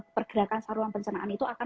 pergerakan saruan pencernaan itu akan